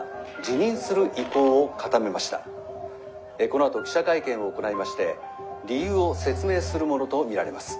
このあと記者会見を行いまして理由を説明するものと見られます」。